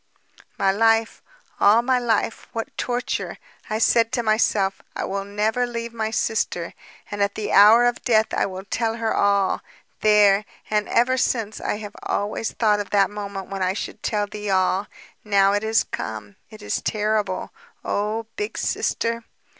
"My life, all my life ... what torture! I said to myself: 'I will never leave my sister. And at the hour of death I will tell her all ...' There! And ever since, I have always thought of that moment when I should tell thee all. Now it is come. It is terrible. Oh ... Big Sister!